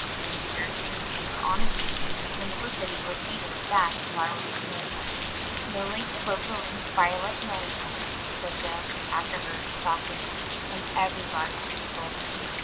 And Sarah Jane in her honesty and simplicity repeated that flowery name. "Lily Rosalie Violet May," said Joe, after her, softly. And everybody giggled.